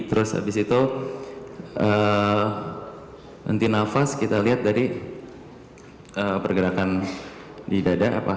terus habis itu henti nafas kita lihat dari pergerakan di dada